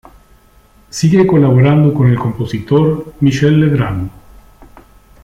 Sigue colaborando con el compositor Michel Legrand.